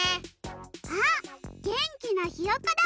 あっげんきなひよこだ。